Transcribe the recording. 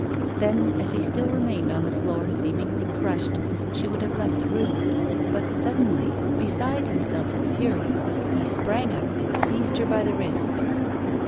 Then, as he still remained on the floor seemingly crushed, she would have left the room; but suddenly, beside himself with fury, he sprang up and seized her by the wrists.